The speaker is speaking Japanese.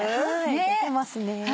出てますね。